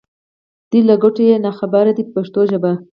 دوی له ګټو یې نا خبره دي په پښتو ژبه.